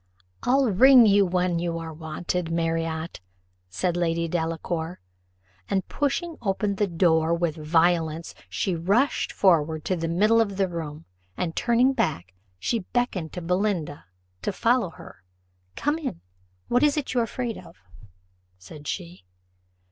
"I'll ring when you are wanted, Marriott," said Lady Delacour; and pushing open the door with violence she rushed forward to the middle of the room, and turning back, she beckoned to Belinda to follow her "Come in; what is it you are afraid of?" said she.